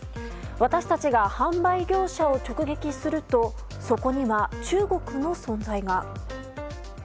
私たちが販売業者を直撃するとそこには中国の存在が。